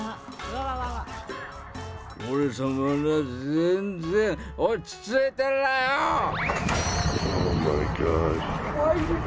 俺様な、全然落ち着いてんらよ！